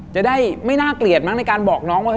จะได้ไม่น่าเกลียดมั้งในการบอกน้องว่า